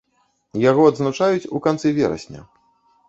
Яго адзначаюць у канцы верасня.